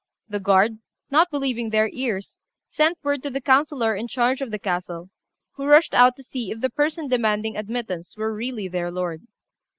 The guard, not believing their ears, sent word to the councillor in charge of the castle, who rushed out to see if the person demanding admittance were really their lord.